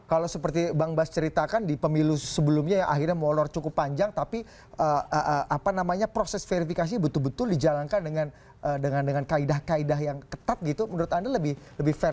kalau seperti bang bas ceritakan di pemilu sebelumnya yang akhirnya molor cukup panjang tapi apa namanya proses verifikasi betul betul dijalankan dengan kaedah kaedah yang ketat gitu menurut anda lebih fair